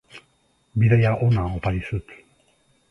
Bidaia ona opa dizut.